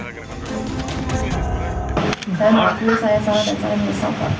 saya melakukannya saya salah dan saya mampus